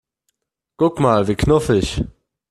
Guck mal, wie knuffig!